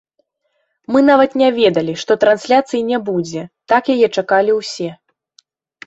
Мы нават не ведалі, што трансляцыі не будзе, так яе чакалі ўсе.